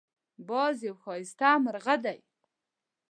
باز یو ښایسته مرغه دی